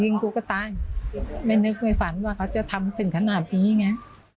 กูก็ตายไม่นึกไม่ฝันว่าเขาจะทำถึงขนาดนี้ไง